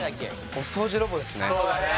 お掃除ロボですね